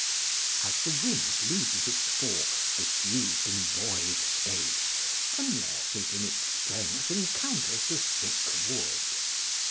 ["As the wind loses its force diffused in void space, unless it in its strength encounters the thick wood."